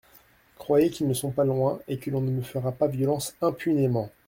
Croyez qu'ils ne sont pas loin et que l'on ne me fera pas violence impunément.